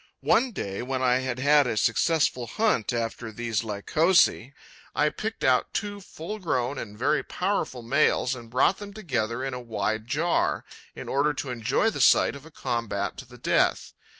One day, when I had had a successful hunt after these Lycosae, I picked out two full grown and very powerful males and brought them together in a wide jar, in order to enjoy the sight of a combat to the death.